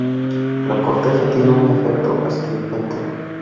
La corteza tiene un efecto astringente.